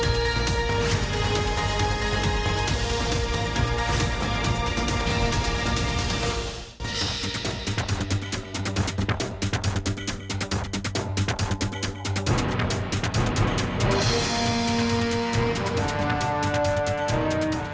อันดับต่อไป